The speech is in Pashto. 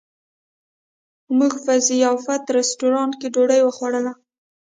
موږ په ضیافت رسټورانټ کې ډوډۍ وخوړله.